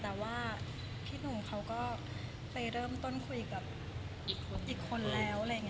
แต่พี่หนุ่มเขาก็ไปเริ่มต้นคุยกับอีกคนแล้ว